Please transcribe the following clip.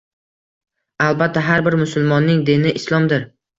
Albatta, har bir musulmonning dini Islomdir.